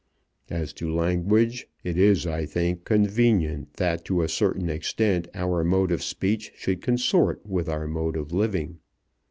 As to language, it is, I think, convenient that to a certain extent our mode of speech should consort with our mode of living.